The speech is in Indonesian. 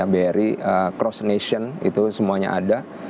bri cross nation itu semuanya ada